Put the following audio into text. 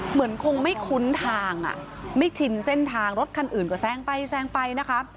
เหมือนคงไม่คุ้นทางไม่ชินเส้นทางรถคันอื่นก็แซงไปแซงไปนะคะ